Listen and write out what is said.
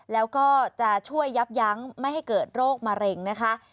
แล้วก็จะช่วยยับยั้งไม่ให้เกิดโรคมะเร็งนะคะ